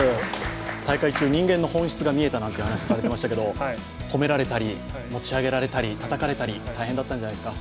大会中、人間の本質が見えたなんて話していましたけど、褒められたり、持ち上げられたり、たたかれたり、大変だったんじゃないですか？